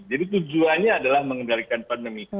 jadi tujuannya adalah mengendalikan pandemi